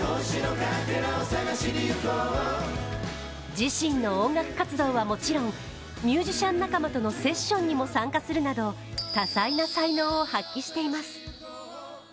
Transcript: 自身の音楽活動はもちろん、ミュージシャン仲間とのセッションにも参加するなど多彩な才能を発揮しています。